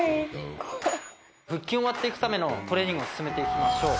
腹筋を割って行くためのトレーニングを進めて行きましょう。